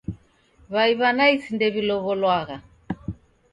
W'ai w'a naisi ndew'ilow'olwagha